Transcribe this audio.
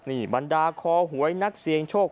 นี่วันดาขอหวยนักเสียงโชค